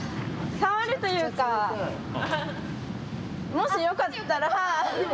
触るというかもしよかったら。